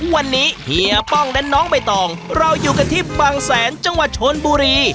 วันนี้เฮียป้องและน้องใบตองเราอยู่กันที่บางแสนจังหวัดชนบุรี